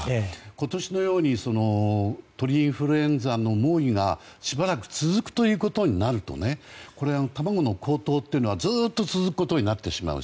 今年のように鳥インフルエンザの猛威がしばらく続くということになると卵の高騰というのはずっと続くことになってしまう。